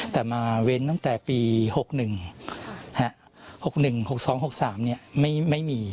แต่มาเว้นตั้งแต่ปี๖๑๖๒๖๓ไม่มี